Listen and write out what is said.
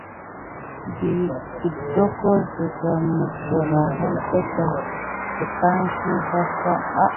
Təweke kidoko sigan mis derakite teke depaki vas ka.